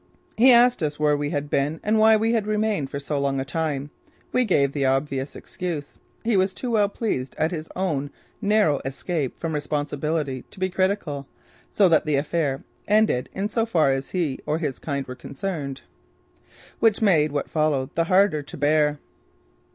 He asked where we had been and why we had remained for so long a time. We gave the obvious excuse. He was too well pleased at his own narrow escape from responsibility to be critical, so that the affair ended in so far as he or his kind were concerned. Which made what followed the harder to bear.